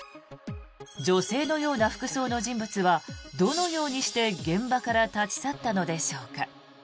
女性のような服装の人物はどのようにして現場から立ち去ったのでしょうか。